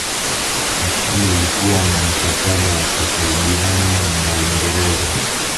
Japani ilikuwa na mkataba wa kusaidana na Uingreza